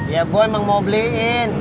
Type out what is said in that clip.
ya gue emang mau beliin